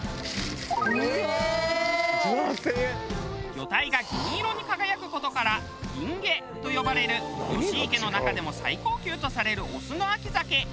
魚体が銀色に輝く事から銀毛と呼ばれる吉池の中でも最高級とされる雄の秋鮭。